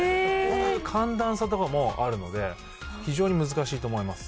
寒暖差とかもあるので、非常に難しいと思いますね。